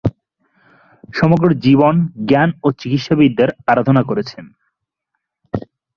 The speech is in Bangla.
সমগ্র জীবন জ্ঞান ও চিকিৎসা বিদ্যার আরাধনা করেছেন।